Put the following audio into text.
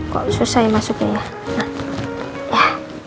kok susah ya masuknya ya